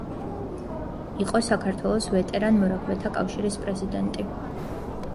იყო საქართველოს ვეტერან მორაგბეთა კავშირის პრეზიდენტი.